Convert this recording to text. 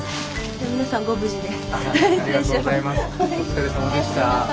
お疲れさまでした。